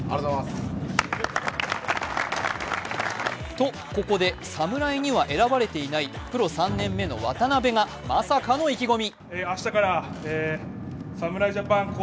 と、ここで侍には選ばれていないプロ３年目の渡部がまさかの意気込み。